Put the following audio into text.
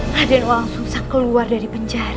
raden wolang sungsang keluar dari penjara